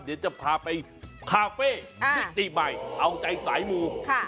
เดี๋ยวจะพาไปคาเฟ่มิติใหม่เอาใจสายมู